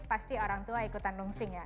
pasti orang tua ikutan nungsing ya